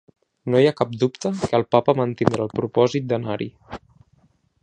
No hi ha cap dubte que el papa mantindrà el propòsit d’anar-hi.